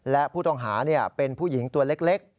และผู้ต้องหาเป็นผู้หญิงตัวเล็ก